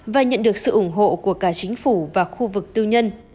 và nhận được sự ủng hộ của cả chính phủ và khu vực tư nhân